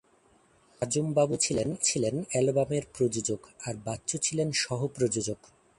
আজম বাবু ছিলেন অ্যালবামের প্রযোজক আর বাচ্চু ছিলেন সহ-প্রযোজক।